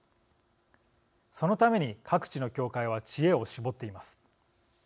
そのために各地の協会は知恵を絞っています。